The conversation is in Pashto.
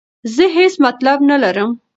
زه هیڅ مطلب نه لرم.